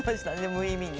無意味に。